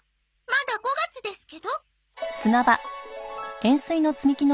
まだ５月ですけど？